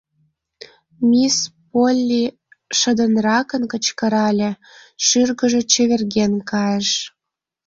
— Мисс Полли шыдынракын кычкырале, шӱргыжӧ чеверген кайыш.